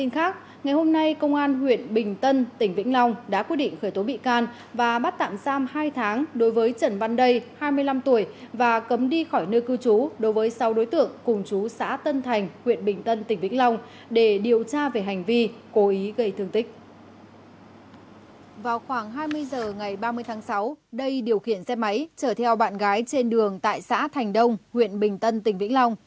khoảng hai mươi h ngày ba mươi tháng sáu đây điều khiển xe máy chở theo bạn gái trên đường tại xã thành đông huyện bình tân tỉnh vĩnh long